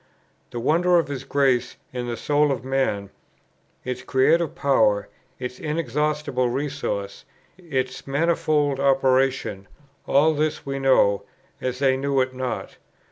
The wonders of His grace in the soul of man, its creative power, its inexhaustible resources, its manifold operation, all this we know, as they knew it not.